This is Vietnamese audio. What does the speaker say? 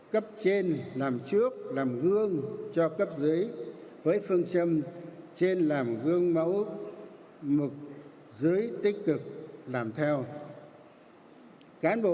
cấp chế tổ chức kỷ luật và đoàn kết nội bộ